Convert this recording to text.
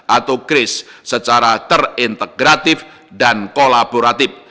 atau kris secara terintegratif dan kolaboratif